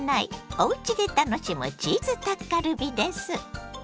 おうちで楽しむチーズタッカルビです。